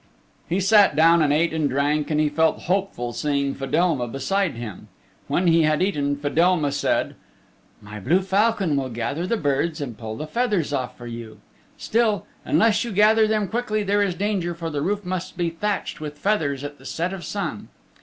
He sat down and ate and drank and he felt hopeful seeing Fedelma beside him. When he had eaten Fedelma said, "My blue falcon will gather the birds and pull the feathers off for you. Still, unless you gather them quickly there is danger, for the roof must be thatched with feathers at the set of sun."